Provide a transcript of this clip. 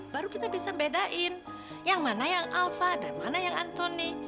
baru kita bisa bedain yang mana yang alpha dan mana yang antoni